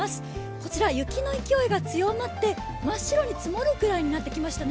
こちら、雪の勢いが強まって真っ白に積もるぐらいになってきましたね。